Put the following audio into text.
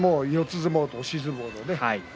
相撲と押し相撲のね。